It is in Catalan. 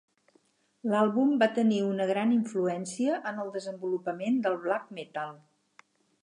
L'àlbum va tenir una gran influència en el desenvolupament del black metal.